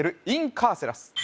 インカーセラス